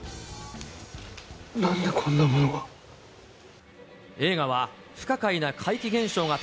なんで、こんなものが。